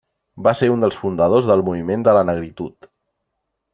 Va ser un dels fundadors del moviment de la negritud.